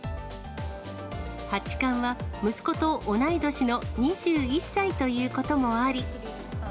八冠は息子と同い年の２１歳ということもあり。